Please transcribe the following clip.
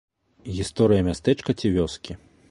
Гісторыя мястэчка ці вёскі.